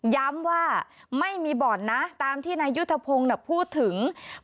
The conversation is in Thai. ย้ำว่าไม่มีบ่อนนะตามที่นายุทธพงศ์พูดถึง